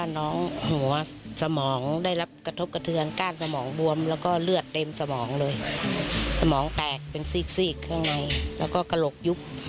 น้องหัวสมองได้รับกระทบกระเทือนก้านสมองบวมแล้วก็เลือดเต็มสมองเลยสมองแตกเป็นซีกซีกข้างในแล้วก็กระโหลกยุบ